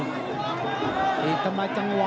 เอกเตรียมจับให้จังหวะ